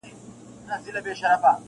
تار کي د هنر پېلي سپیني ملغلري دي,